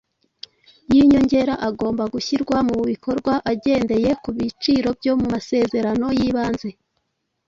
yinyongera agomba gushyirwa mu bikorwa agendeye ku biciro byo mu masezerano y’ibanze.